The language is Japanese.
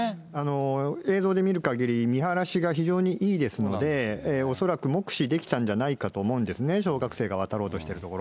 映像で見るかぎり、見晴らしが非常にいいですので、恐らく目視できたんじゃないかと思うんですね、小学生が渡ろうとしているところ。